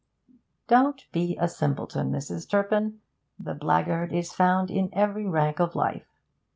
'Don't be a simpleton, Mrs. Turpin. The blackguard is found in every rank of life.